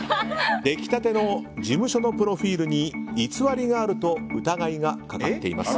出来たての事務所のプロフィールに偽りがあると疑いがかかっています。